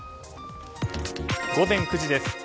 午前９時です。